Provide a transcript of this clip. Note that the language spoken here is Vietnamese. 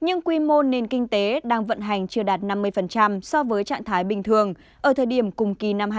nhưng quy mô nền kinh tế đang vận hành chưa đạt năm mươi so với trạng thái bình thường ở thời điểm cùng kỳ năm hai nghìn một mươi tám